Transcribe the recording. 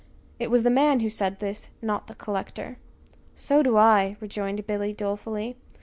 It was the man who said this, not the collector. "So do I," rejoined Billy, dolefully.